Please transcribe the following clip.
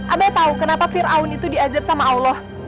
abah tau kenapa fir'aun itu diazep sama allah